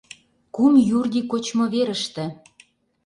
«Кум Юрди» кочмо верыште